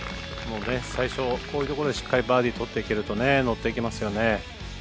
最初、こういうところでしっかりバーディー取っていけると乗っていけますよね。